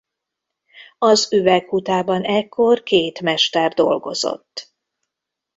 Az üveghutában ekkor két mester dolgozott.